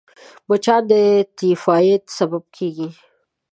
مچان د تيفايد سبب کېږي